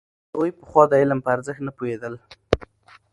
هغوی پخوا د علم په ارزښت نه پوهېدل.